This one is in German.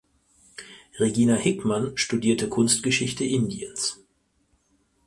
Regina Hickmann studierte Kunstgeschichte Indiens.